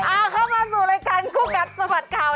เอาเข้ามาสู่รายการคู่กัดสะบัดข่าว